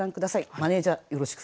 マネージャーよろしく。